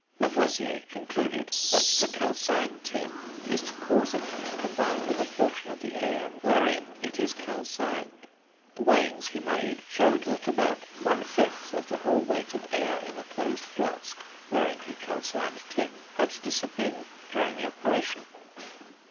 Lavoisier concluded that to calcine tin is to cause it to combine with a portion of the air wherein it is calcined. The weighings he made showed that about one fifth of the whole weight of air in the closed flask wherein he calcined tin had disappeared during the operation.